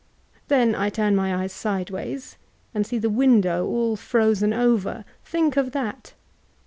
Then I turn my eyes sidewAys and see the window all fitieen over. Think of that.